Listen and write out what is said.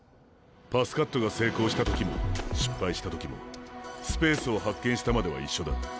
パスカットが成功した時も失敗した時もスペースを発見したまでは一緒だ。